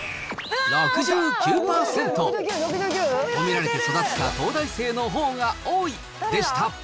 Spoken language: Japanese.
褒められて育った東大生のほうが多いでした。